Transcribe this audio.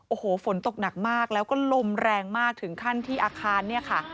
โอ้โหฝนตกหนักมากแล้วก็ลมแรงมากถึงขั้นที่อาคารเนี่ยค่ะ